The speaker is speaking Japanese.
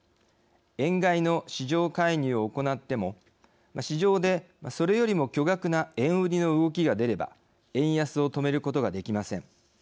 円買いの市場介入を行っても市場で、それよりも巨額な円売りの動きが出れば円安を止めることができません。